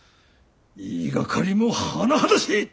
言いがかりも甚だしい！